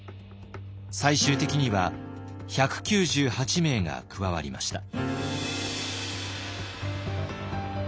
最終的には１９８名が加わりました。